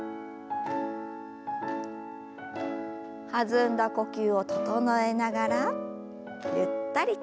弾んだ呼吸を整えながらゆったりと。